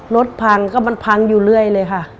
รถพังก็มันพังอยู่เรื่อยเลยค่ะ